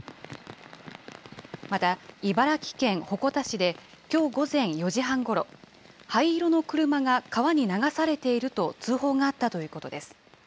また、茨城県鉾田市で、きょう午前４時半ごろ、灰色の車が川に流されていると通報があったということです。